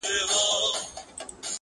د ببرک کارمل کور وو.